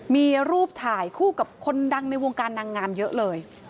มีรูปถ่ายคู่กับคนดังในวงการนางงามเยอะเลย